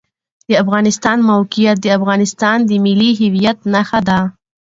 د افغانستان د موقعیت د افغانستان د ملي هویت نښه ده.